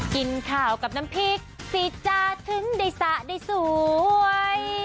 กินข้าวกับน้ำพริกสิจ๊ะถึงได้สระได้สวย